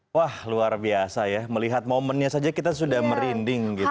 wah luar biasa ya melihat momennya saja kita sudah merinding gitu